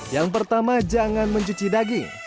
yang pertama jangan mencuci daging